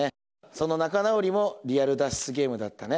その仲直りもリアル脱出ゲームだったね。